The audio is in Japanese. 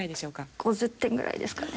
５０点ぐらいですかね。